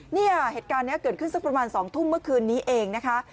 เนี่ยเหตุการณ์นี้เกิดขึ้นสักประมาณ๒ทุ่มเมื่อคืนนี้เองนะคะ